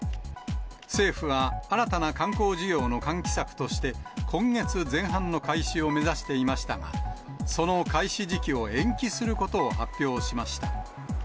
政府は新たな観光需要の喚起策として、今月前半の開始を目指していましたが、その開始時期を延期することを発表しました。